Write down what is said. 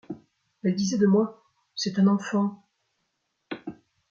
Elle disait de moi : C’est un enfant !